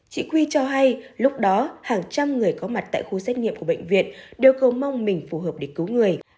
chị quy cho hay lúc đó hàng trăm người có mặt tại khu xét nghiệm của bệnh viện đều cầu mong mình phù hợp để cứu người